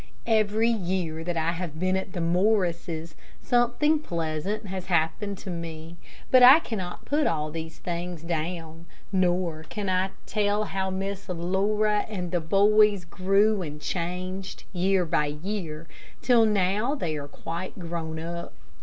Every year that I have been at the Morrises', something pleasant has happened to me, but I cannot put all these things down, nor can I tell how Miss Laura and the boys grew and changed, year by year, till now they are quite grown up.